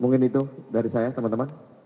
mungkin itu dari saya teman teman